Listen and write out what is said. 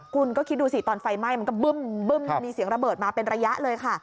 คุณก็คิดดูสิตอนไฟไหม้มันก็บึ้มมีเสียงระเบิดมาเป็นระยะเลยค่ะ